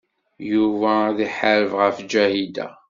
Yuba ad iḥareb ɣef Ǧahida.